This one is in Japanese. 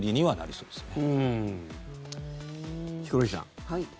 そうですね。